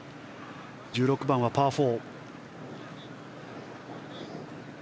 １６番はパー４。